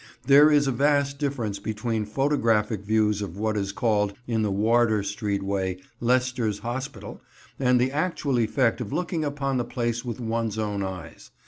There is a vast difference between photographic views of what is called, in the Wardour Street way, "Leycester's" Hospital, and the actual effect of looking upon the place with one's own eyes.